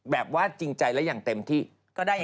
แบบว่าจริงใจและอย่างเต็มที่